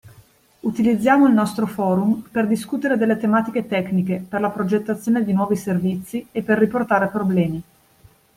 Utilizziamo il nostro forum per discutere delle tematiche tecniche, per la progettazione di nuovi servizi, e per riportare problemi.